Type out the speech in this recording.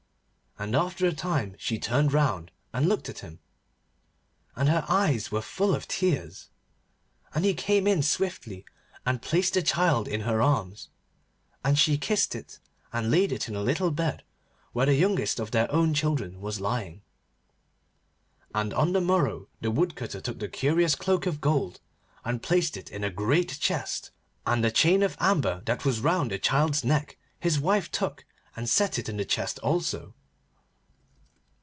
And after a time she turned round and looked at him, and her eyes were full of tears. And he came in swiftly, and placed the child in her arms, and she kissed it, and laid it in a little bed where the youngest of their own children was lying. And on the morrow the Woodcutter took the curious cloak of gold and placed it in a great chest, and a chain of amber that was round the child's neck his wife took and set it in the chest also.